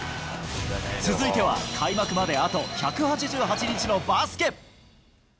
続いては、開幕まであと１８８日のバスケ。